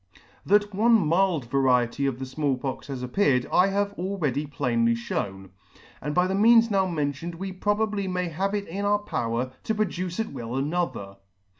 That one mild variety of the Small Pox has appeared, I have already plainly fhewn *; and by the means now mentioned we probably may have it in our power to produce at will another.